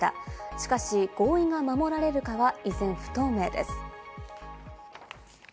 しかし合意が守られるかは依然不透明です。